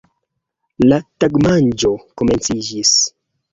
La tagmanĝo komenciĝis.